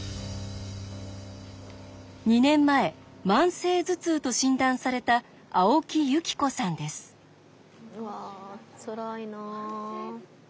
２年前慢性頭痛と診断されたうわつらいな。